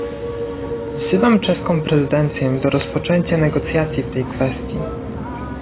Wzywam czeską prezydencję do rozpoczęcia negocjacji w tej kwestii